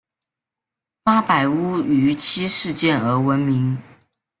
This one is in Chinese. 八百屋于七事件而闻名。